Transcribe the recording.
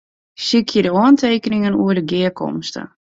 Sykje de oantekeningen oer de gearkomste.